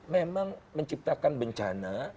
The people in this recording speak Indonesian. memang menciptakan bencana